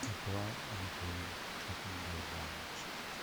A bride and groom taking their vows.